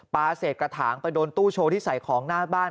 เสร็จกระถางไปโดนตู้โชว์ที่ใส่ของหน้าบ้าน